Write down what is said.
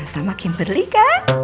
sama kimberly kan